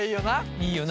いいよな。